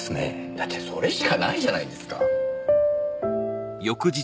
だってそれしかないじゃないですか。